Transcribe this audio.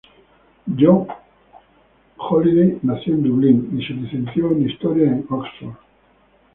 Jon Halliday nació en Dublín, y se licenció en historia en Oxford.